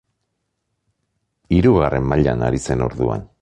Hirugarren mailan ari zen orduan.